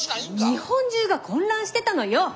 日本中が混乱してたのよ！